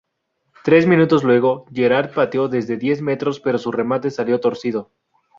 Tres minutos luego, Gerrard pateó desde diez metros pero su remate salió torcido.